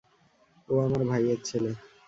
ও আমার ভাইয়ের ছেলে।